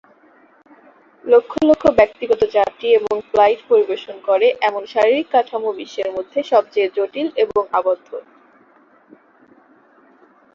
লক্ষ লক্ষ ব্যক্তিগত যাত্রী এবং ফ্লাইট পরিবেশন করে এমন শারীরিক কাঠামো বিশ্বের মধ্যে সবচেয়ে জটিল এবং আবদ্ধ।